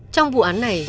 trong vụ án này